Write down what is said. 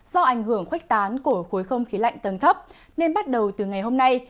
do ảnh hưởng khuếch tán của khối không khí lạnh tầng thấp nên bắt đầu từ ngày hôm nay